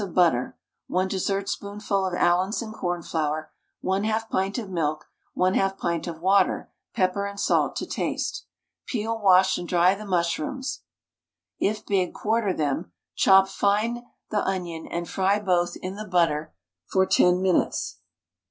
of butter, 1 dessertspoonful of Allinson cornflour, 1/2 pint of milk, 1/2 pint of water, pepper and salt to taste. Peel, wash, and dry the mushrooms if big, quarter them chop fine the onion, and fry both in the butter for 10 minutes.